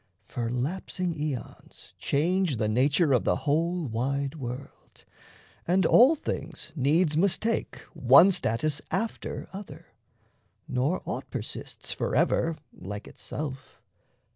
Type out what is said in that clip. For lapsing aeons change the nature of The whole wide world, and all things needs must take One status after other, nor aught persists Forever like itself.